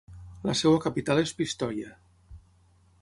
La seva capital és Pistoia.